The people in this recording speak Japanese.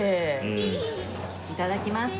いただきます。